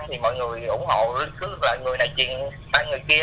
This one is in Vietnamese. thì mọi người ủng hộ cứ người này chuyện với người kia